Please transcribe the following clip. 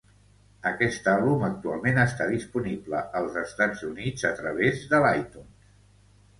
Aquest àlbum actualment està disponible als Estats Units a través de l'iTunes.